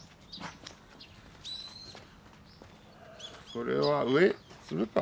これは上にするか。